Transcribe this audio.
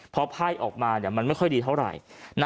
พอไพ่ออกมามันไม่ค่อยดีเท่าไหร่